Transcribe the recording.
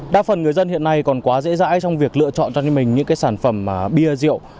đa phần người dân hiện nay còn quá dễ dãi trong việc lựa chọn cho mình những sản phẩm bia rượu